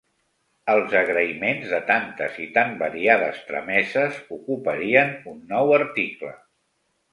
Els agraïments de tantes i tan variades trameses ocuparien un nou article.